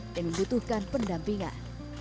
dan membutuhkan pendampingan